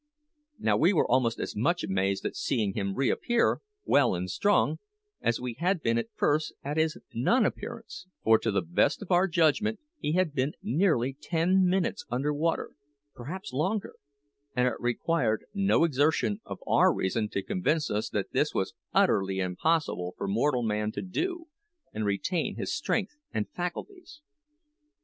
Now we were almost as much amazed at seeing him reappear, well and strong, as we had been at first at his non appearance; for, to the best of our judgment, he had been nearly ten minutes under water perhaps longer and it required no exertion of our reason to convince us that this was utterly impossible for mortal man to do and retain his strength and faculties.